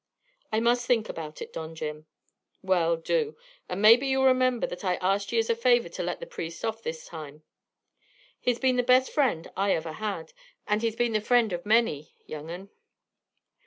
"I must think about it, Don Jim." "Well, do. And maybe you'll remember that I asked ye as a favour to let the priest off this time. He's been the best friend I ever had, and he's been the friend of many, young 'un."